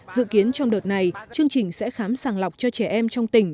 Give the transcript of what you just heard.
dự kiến trong đợt này chương trình sẽ khám sàng lọc cho trẻ em trong tỉnh